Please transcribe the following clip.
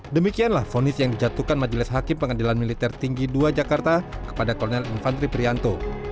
demikianlah fonis yang dijatuhkan majelis hakim pengadilan militer tinggi dua jakarta kepada kolonel infantri prianto